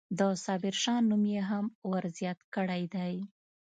د صابرشاه نوم یې هم ورزیات کړی دی.